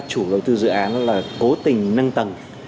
chủ đầu tư dự án là cố tình nâng tầng